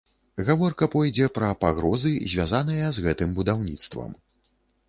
Гаворка пойдзе пра пагрозы, звязаныя з гэтым будаўніцтвам.